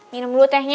minum dulu tehnya